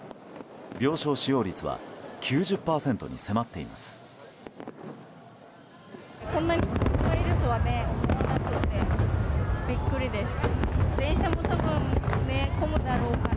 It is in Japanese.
病床使用率は９０％に迫っています。